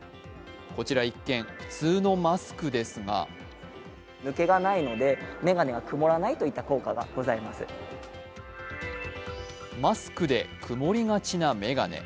こちら一見、普通のマスクですがマスクで曇りがちな眼鏡。